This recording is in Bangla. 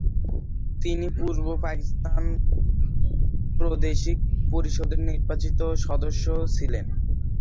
তিনি পূর্ব পাকিস্তান প্রাদেশিক পরিষদের নির্বাচিত সদস্য ছিলেন।